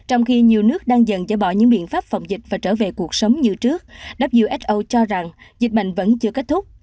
trong khi nhiều nước đang dần dở bỏ những biện pháp phòng dịch và trở về cuộc sống như trước who cho rằng dịch bệnh vẫn chưa kết thúc